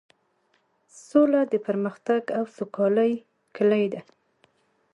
سوله د پرمختګ او سوکالۍ کیلي ده.